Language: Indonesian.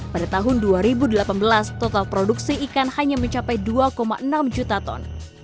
pada tahun dua ribu delapan belas total produksi ikan hanya mencapai dua enam juta ton